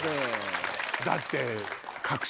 だって。